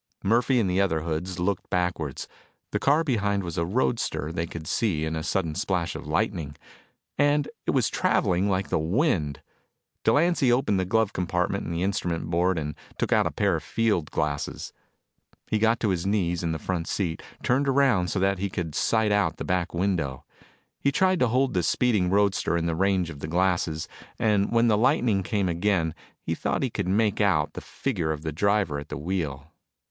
Murphy and the other hoods looked backwards. The car behind was a roadster, they could see in a sudden splash of lightning. And it was traveling like the wind. Delancy opened the glove compartment in the instrument board and took out a pair of field glasses. He got to his knees on the front seat, turned around so that he could sight out the back window. He tried to hold the speeding roadster in the range of the glasses, and when the lightning came again he thought he could make out the figure of the driver at the wheel.